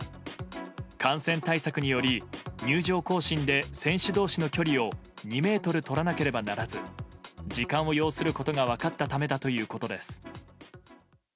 感染対策により入場行進で選手同士の距離を２ｍとらなければならず時間を要することが分かったためだということです。